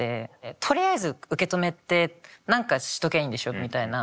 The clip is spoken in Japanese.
「とりあえず受け止めて何かしときゃいいんでしょう」みたいな。